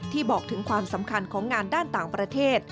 บอกถึงความสำคัญของงานด้านต่างประเทศ